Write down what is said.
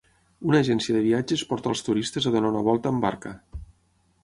Una agència de viatges porta als turistes a donar una volta en barca.